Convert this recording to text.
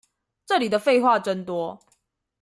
這裡的廢話真多